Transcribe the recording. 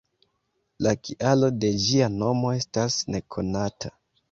La kialo de ĝia nomo estas nekonata.